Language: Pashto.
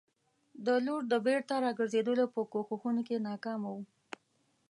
د لور د بېرته راګرزېدو په کوښښونو کې ناکامه وو.